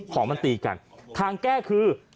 ของมันตีกันทางแก้คือ